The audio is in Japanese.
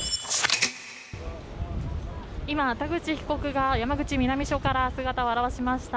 今、田口被告が山口南署から姿を現しました。